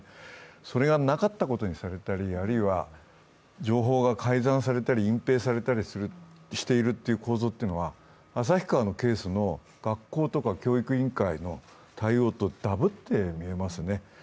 それがなかったことにされたり、あるいは情報が改ざんされたり、隠蔽されたりしている構造は旭川のケースの学校とか教育委員会の対応とダブってみえますね。